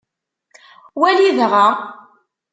Wali dɣa.